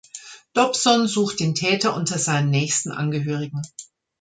Dobson sucht den Täter unter seinen nächsten Angehörigen.